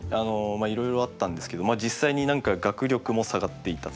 いろいろあったんですけど実際に学力も下がっていた。